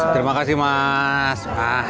terima kasih mas